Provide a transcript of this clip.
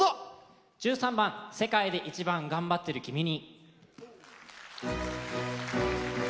１３番「世界でいちばん頑張ってる君に」。